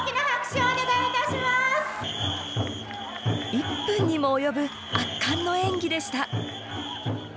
１分にも及ぶ圧巻の演技でした。